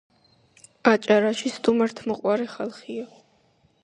აჭარაში სტუმართმოყვარე ხალხია.